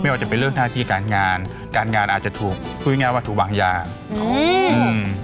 ว่าจะเป็นเรื่องหน้าที่การงานการงานอาจจะถูกพูดง่ายว่าถูกวางยาอืมอืม